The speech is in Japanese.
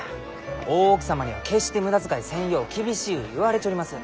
大奥様には決して無駄使いせんよう厳しゅう言われちょります。